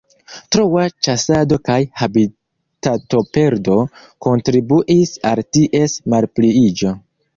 Troa ĉasado kaj habitatoperdo kontribuis al ties malpliiĝo.